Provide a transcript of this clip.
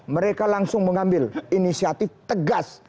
mereka langsung mengambil inisiatif tegas